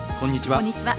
こんにちは。